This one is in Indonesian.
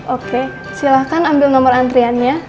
oke silahkan ambil nomor antriannya